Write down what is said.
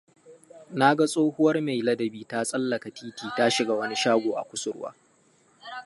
Na ga tsohuwar mai ladabi ta tsallaka titi ta shiga wani shago a kusurwa.